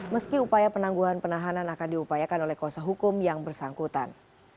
meski upaya penangguhan penahanan akan diupayakan oleh kuasa hukum yang bersangkutan